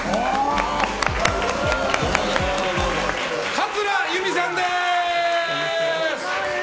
桂由美さんです！